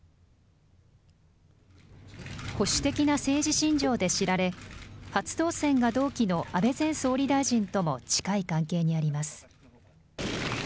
保守的な政治信条で知られ、初当選が同期の安倍前総理大臣とも近い関係にあります。